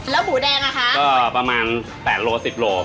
แล้วหมูแดงอ่ะคะก็ประมาณแปดโลสิบโล